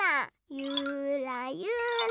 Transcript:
ゆらゆら。